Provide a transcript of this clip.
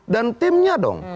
dan timnya dong